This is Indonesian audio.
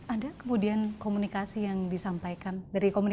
ada kemudian komunikasi yang disampaikan